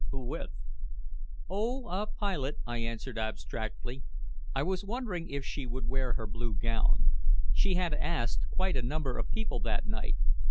"Who with?" "Oh, a pilot," I answered abstractedly. I was wondering if she would wear her blue gown. She had asked quite a number of people that night.